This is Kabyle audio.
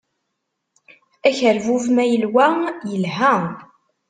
Akerbub ma yelwa yelha.